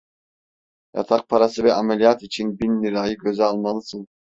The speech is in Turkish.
Yatak parası ve ameliyat için bin lirayı göze almalısın.